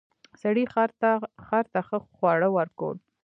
سړي خر ته ښه خواړه ورکول.